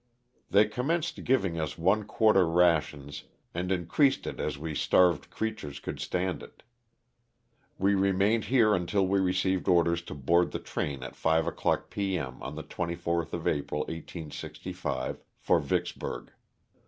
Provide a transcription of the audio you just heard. They commenced giving us one quar ter rations and increased it as we starved creatures could stand it. We remained here until we received orders to board the train at five o'clock p. m., on the 24th of April, 1865, for Vicksburg.